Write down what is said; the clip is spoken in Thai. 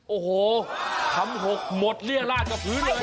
โอ้โหคำหกหมดเรียราชกับพื้นเลย